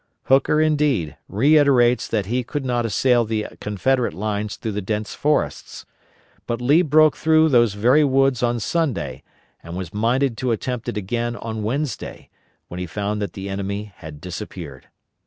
Hooker, indeed, reiterates that he could not assail the Confederate lines through the dense forests. But Lee broke through those very woods on Sunday, and was minded to attempt it again on Wednesday, when he found that the enemy had disappeared.